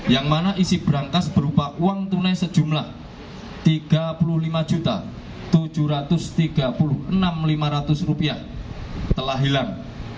yang mana isi berangkas berupa uang tunai sejumlah rp tiga puluh lima tujuh ratus tiga puluh enam lima ratus telah hilang